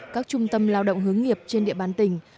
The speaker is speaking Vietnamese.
các trung tâm lao động hướng nghiệp trên địa bàn tỉnh